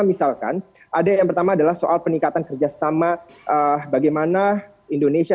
misalkan ada yang pertama adalah soal peningkatan kerjasama bagaimana indonesia